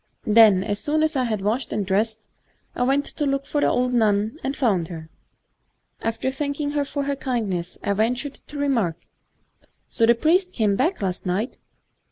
Then, as soon as I had washed and dressed, I went to look for the old nun, and found her. After thanking her for her kind ness, I ventured to remark, *So the priest came back last night